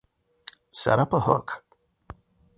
set up a hook